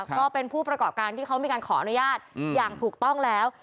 ก็เป็นผู้ประกอบการที่เขามีการขออนุญาตอย่างถูกต้องแล้ว